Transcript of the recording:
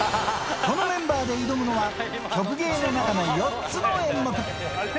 このメンバーで挑むのは、曲芸の中の４つの演目。